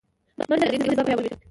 منډه د سیالۍ جذبه پیاوړې کوي